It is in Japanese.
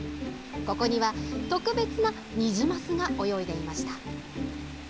ここには、特別なニジマスが泳いでいました。